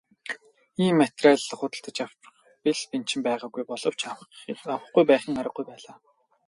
Ийм материал худалдаж авах бэл бэнчин байгаагүй боловч авахгүй байхын аргагүй байлаа.